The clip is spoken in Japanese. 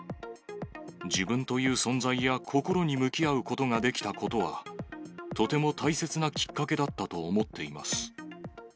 自分という存在や心に向き合うことができたことは、とても大切なきっかけだったと思っています。